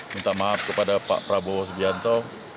minta maaf kepada pak prabowo subianto